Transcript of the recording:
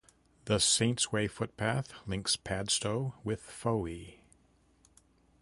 The Saints' Way footpath links Padstow with Fowey.